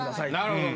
なるほど。